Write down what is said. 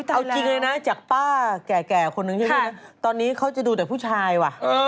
เอาจริงเลยนะจากป้าแก่คนนึงใช่ไหมตอนนี้เขาจะดูแต่ผู้ชายว่ะ